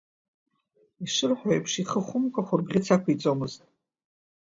Ишырҳәо еиԥш, ихы хәымкәа ахәырбӷьыц ақәиҵомызт.